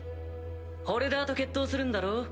ホルダーと決闘するんだろ？